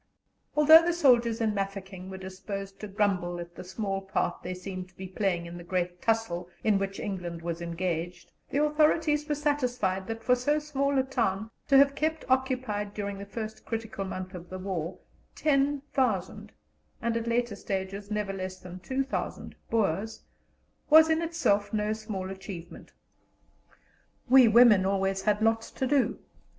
Although the soldiers in Mafeking were disposed to grumble at the small part they seemed to be playing in the great tussle in which England was engaged, the authorities were satisfied that for so small a town to have kept occupied during the first critical month of the war 10,000 and at later stages never less than 2,000 Boers, was in itself no small achievement. We women always had lots to do.